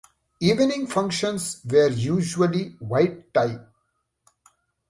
Evening functions were usually white tie.